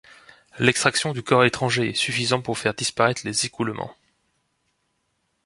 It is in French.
L'extraction du corps étranger est suffisant pour faire disparaitre les écoulements.